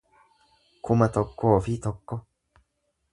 kuma tokkoo fi tokko